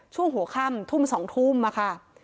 ช่วงหัวข้ำทุ่มสองทูมอะค่ะ